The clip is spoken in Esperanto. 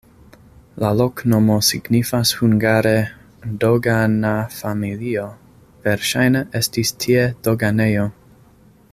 La loknomo signifas hungare "dogana-familio", verŝajne estis tie doganejo.